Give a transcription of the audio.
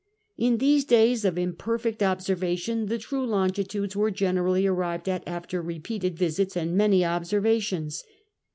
In these days of imperfect observation tlie true longitudes were generally arrived at after repeated visits and many observations.